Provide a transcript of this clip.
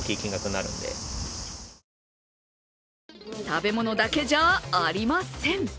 食べ物だけじゃありません。